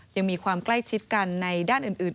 ยังมีความใกล้ชิดกันในด้านอื่น